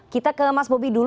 kita ke mas bobi dulu